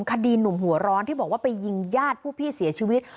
คดีหนุ่มหัวร้อนที่บอกว่าไปยิงญาติผู้พี่เสียชีวิต